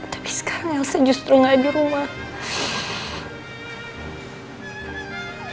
tapi sekarang elsa justru gak di rumah